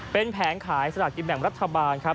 เป็นแผงขายสลากกินแบ่งรัฐบาลครับ